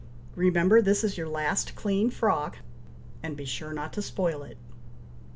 Remember this is your last clean frock, and be sure not to spoil it."